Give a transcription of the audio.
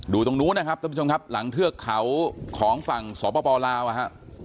ตรงนู้นนะครับท่านผู้ชมครับหลังเทือกเขาของฝั่งสปลาวอ่ะฮะ